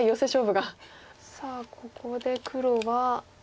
さあここで黒は。